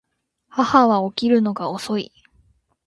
母は起きるのが遅い